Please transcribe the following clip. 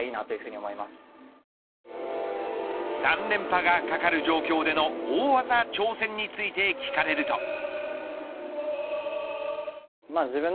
３連覇がかかる状況での大技挑戦について聞かれると。